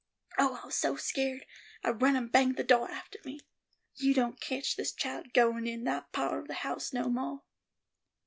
Oh, I was so skeered, I run and banged the doah after me. You don't ketch this child goin' in that pawt of the house no moah."